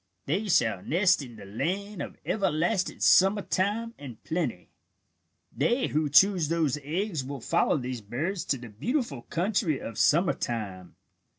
They shall nest in the land of everlasting summer time and plenty. "They who choose those eggs will follow these birds to the beautiful country of summer time.